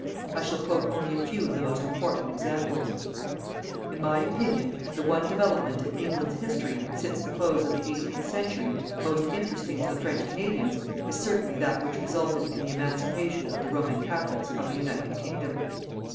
I shall quote only a few of the most important examples. In my opinion, the one development in England's history, since the close of the eighteenth century, most interesting to the French Canadians, is certainly that which resulted in the emancipation of the Roman Catholics of the United Kingdom.